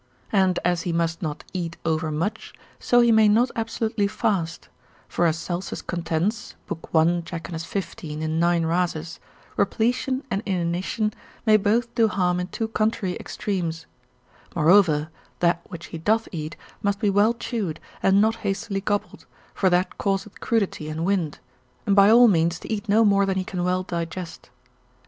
And as he must not eat overmuch, so he may not absolutely fast; for as Celsus contends, lib. 1. Jacchinus 15. in 9. Rhasis, repletion and inanition may both do harm in two contrary extremes. Moreover, that which he doth eat, must be well chewed, and not hastily gobbled, for that causeth crudity and wind; and by all means to eat no more than he can well digest.